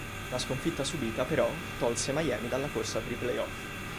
La sconfitta subita però tolse Miami dalla corsa per i playoff.